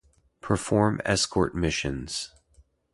Perform escort missions.